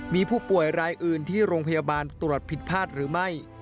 มีผู้ป่วยรายอื่นที่โรงพยาบาลตรวจผิดพลาดหรือไม่